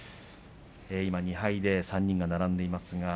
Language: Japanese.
２敗で３人が並んでいます。